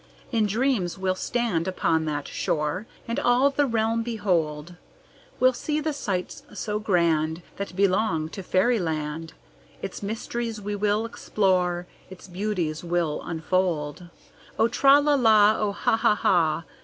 In dreams we'll stand upon that shore And all the realm behold; We'll see the sights so grand That belong to fairyland, Its mysteries we will explore, Its beauties will unfold. "Oh, tra, la, la, oh, ha, ha, ha!